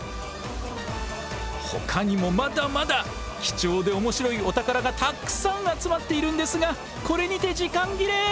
ほかにもまだまだ貴重でおもしろいお宝がたくさん集まっているんですがこれにて時間切れ！